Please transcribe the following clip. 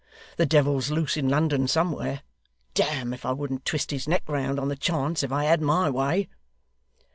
The devil's loose in London somewhere. Damme if I wouldn't twist his neck round, on the chance, if I had MY way.